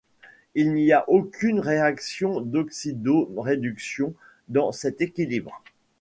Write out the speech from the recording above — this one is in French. Il n'y a aucune réaction d'oxydo-réduction dans cet équilibre.